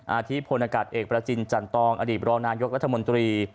อาทิตพลอากาศเอกประจินจันตองอดีตบรองนายกรัฐมนตรี